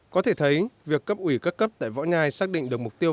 có thể thấy việc cấp ủy các cấp tại võ nhai xác định được mục tiêu